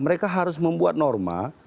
mereka harus membuat norma